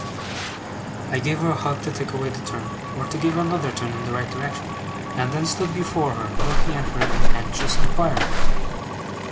I gave her a hug to take away the turn, or to give her another turn in the right direction, and then stood before her, looking at her in anxious inquiry.